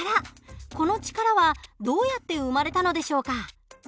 この力はどうやって生まれたのでしょうか？